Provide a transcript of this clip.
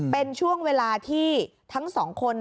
เป็นช่วงเวลาที่ทั้งสองคน